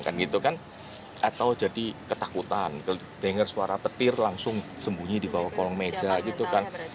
atau jadi ketakutan dengar suara petir langsung sembunyi di bawah kolong meja gitu kan